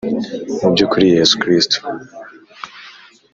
Mu by ukuri yesu kristo